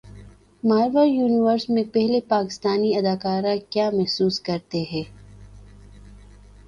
marvel Universe میں پہلے پاکستانی اداکار کیا محسوس کرتے ہیں